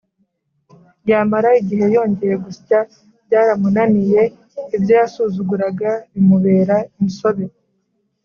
yamara igihe yongeye gusya byaramunaniye ibyo yasuzuguraga bimubera insobe